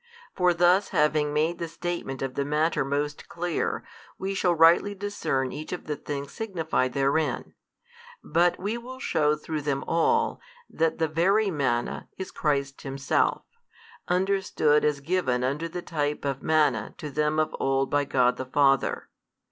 For thus having made the statement of the matter most clear, we shall rightly discern each of the things signified therein. But we will shew through them all, that the Very Manna is Christ Himself, understood as given under the type of manna to them of old by God the Father.